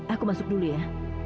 aku masuk dulu ya